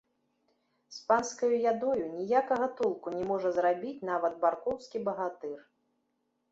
З панскаю ядою ніякага толку не можа зрабіць нават баркоўскі багатыр.